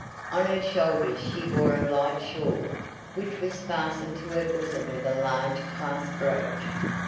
On her shoulders she wore a light shawl, which was fastened to her bosom with a large clasp brooch.